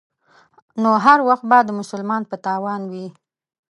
نو هر وخت به د مسلمان په تاوان وي.